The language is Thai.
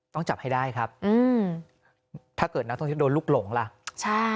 ต้องจับให้ได้ครับอืมถ้าเกิดนักท่องเที่ยวโดนลูกหลงล่ะใช่